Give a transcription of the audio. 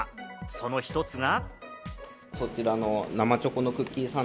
その一つが。